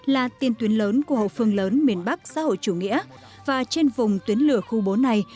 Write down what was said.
là tiền tuyến lớn của hậu phương lớn miền bắc xã hội chủ nghĩa và trên vùng tuyến lửa khu bốn này